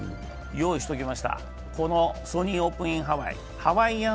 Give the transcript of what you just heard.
用意しておきました、このソニーオープン・イン・ハワイ。